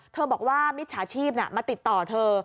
เธอบอกว่ามิตรศาชีพมาติดต่อเธอ